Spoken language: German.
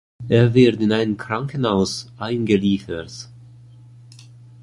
Er wird in ein Krankenhaus eingeliefert.